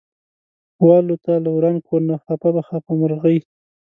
والوته له وران کور نه خپه خپه مرغۍ